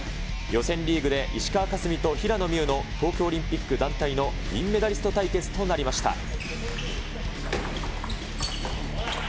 予選リーグで石川佳純と平野美宇の東京オリンピック団体の銀メダリスト対決となりました。